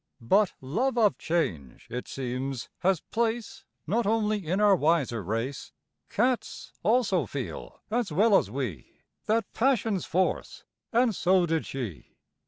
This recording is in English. But love of change, it seems, has place Not only in our wiser race; Cats also feel, as well as we, That passion's force, and so did she.